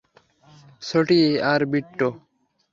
ছোটি আর বিট্টো?